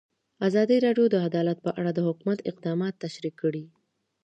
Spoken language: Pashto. ازادي راډیو د عدالت په اړه د حکومت اقدامات تشریح کړي.